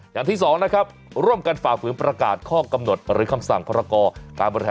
อย่างที่๒นะครับ